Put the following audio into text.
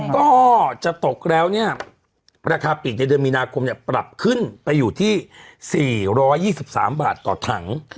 ก็จะตกแล้วเนี่ยราคาปีกในเดือนมีนาคมปรับขึ้นไปอยู่ที่๔๒๓บาทต่อถัง